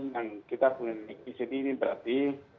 yang kita punya di sini ini berarti